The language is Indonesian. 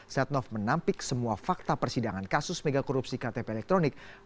setnoff menampik semua fakta persidangan kasus mega korupsi ktp elektronik